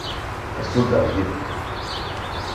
¡Resulta ridículo!